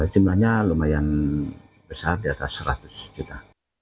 jumlahnya lumayan besar di atas seratus juta